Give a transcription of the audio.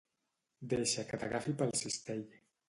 Deixa que t'agafi pel clatell.